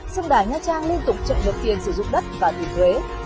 sông đài nha trang liên tục trợ nhập tiền sử dụng đất và tiền thuế